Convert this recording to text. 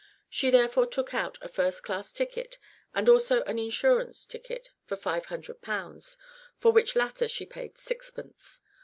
She therefore took out a first class ticket and also an insurance ticket for 500 pounds, for which latter she paid sixpence!